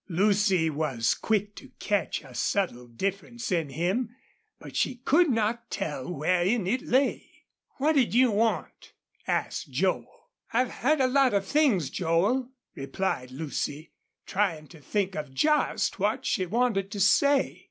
Lucy was quick to catch a subtle difference in him, but she could not tell wherein it lay. "What'd you want?" asked Joel. "I've heard a lot of things, Joel," replied Lucy, trying to think of just what she wanted to say.